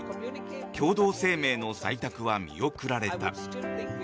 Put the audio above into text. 共同声明の採択は見送られた。